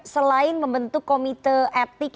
selain membentuk komite etik